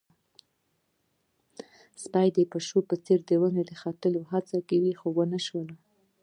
سپي د پيشو په څېر په ونې د ختلو هڅه کوله، خو ونه شول.